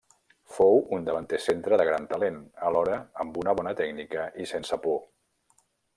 Fou un davanter centre de gran talent, alhora amb una bona tècnica i sense por.